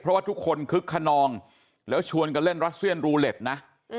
เพราะว่าทุกคนคึกขนองแล้วชวนกันเล่นรัสเซียนรูเล็ตนะ